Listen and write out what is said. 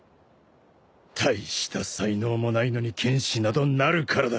大した才能もないのに剣士などなるからだ。